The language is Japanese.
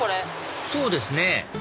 そうですね